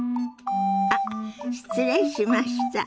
あっ失礼しました。